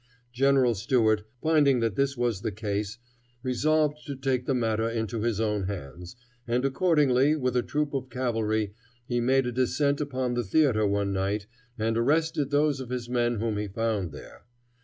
General Stuart, finding that this was the case, resolved to take the matter into his own hands, and accordingly with a troop of cavalry he made a descent upon the theatre one night, and arrested those of his men whom he found there.